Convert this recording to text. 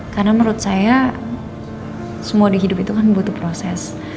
karena menurut saya semua di hidup itu kan butuh proses